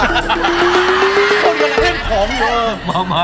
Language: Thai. คนก็เล่นของอยู่